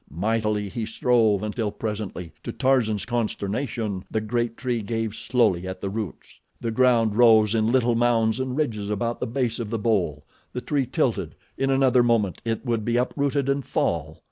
Mightily he strove until presently, to Tarzan's consternation, the great tree gave slowly at the roots. The ground rose in little mounds and ridges about the base of the bole, the tree tilted—in another moment it would be uprooted and fall.